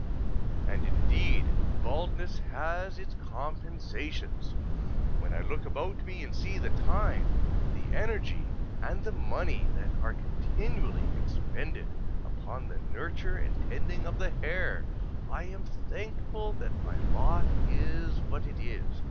And indeed baldness has its compensations; when I look about me and see the time, the energy, and the money that are continually expended upon the nurture and tending of the hair, I am thankful that my lot is what it is.